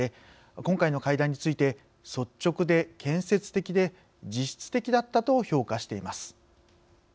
今回の会談について率直で、建設的で実質的だったと評価しています。